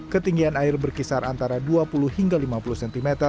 ketinggian air berkisar antara dua puluh hingga lima puluh cm